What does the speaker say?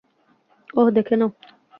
ওহ, দেখে নাও।